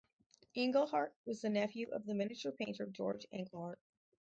Engleheart was the nephew of the miniature painter George Engleheart.